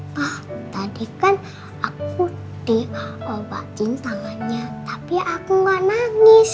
pah tadi kan aku dia obatin tangannya tapi aku gak nangis